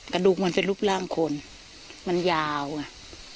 กระดูกมันเป็นรูปร่างคนมันยาวไง